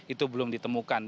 itu belum ditemukan